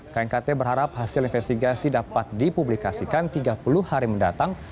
knkt berharap hasil investigasi dapat dipublikasikan tiga puluh hari mendatang